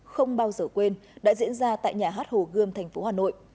không bao giờ quên đã diễn ra tại nhà hát hồ gươm thành phố hà nội